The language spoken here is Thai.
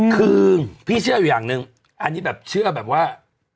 คือพี่เชื่ออยู่อย่างหนึ่งอันนี้แบบเชื่อแบบว่า